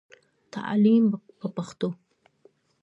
تعليم په پښتو.